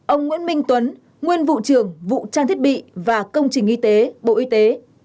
ông nguyễn minh tuấn nguyên vụ trưởng vụ trang thiết bị và công trình y tế bộ y tế